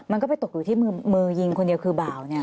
มันก็ไปตกอยู่ที่มือยิงคนเดียวคือบ่าวเนี่ย